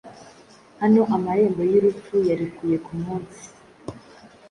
Hano amarembo y'urupfu yarekuye kumunsi,